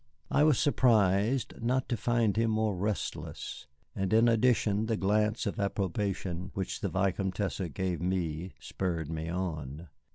I was surprised not to find him more restless, and in addition the glance of approbation which the Vicomtesse gave me spurred me on.